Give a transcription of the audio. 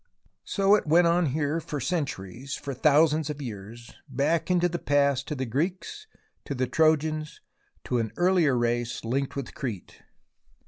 So it went on here for centuries, for thousands of years, back into the past to the Greeks, to the Trojans, to an earlier race linked with Crete.